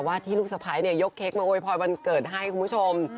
ว่าที่ลุกสะพายยกเค้กมาโอเวบครอยวันเกิดให้คุณผู้ชม